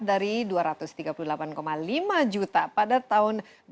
dari dua ratus tiga puluh delapan lima juta pada tahun dua ribu dua